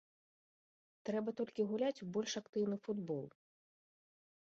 Трэба толькі гуляць у больш актыўны футбол.